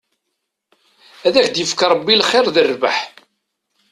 Ad ak-d-yefk Rebbi lxir d rrbeḥ.